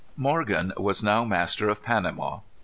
Morgan was now master of Panama.